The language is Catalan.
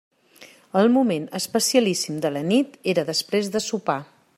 El moment especialíssim de la nit era després de sopar.